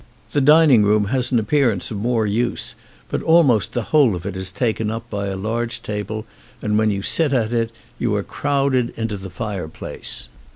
The dining room has an appearance of more use, but almost the whole of it is taken up by a large table and when you sit at it you are crowded into the fireplace.